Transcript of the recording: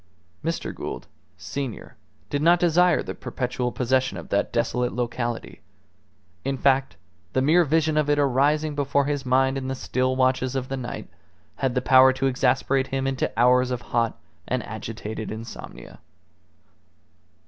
Mr. Gould, senior, did not desire the perpetual possession of that desolate locality; in fact, the mere vision of it arising before his mind in the still watches of the night had the power to exasperate him into hours of hot and agitated insomnia.